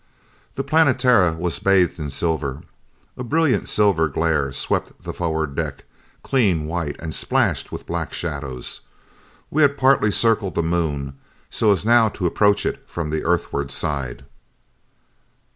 The Planetara was bathed in silver. A brilliant silver glare swept the forward deck, clean white and splashed with black shadows. We had partly circled the Moon so as now to approach it from the Earthward side.